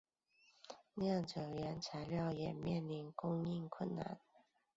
酿酒原材料也面临供应困难。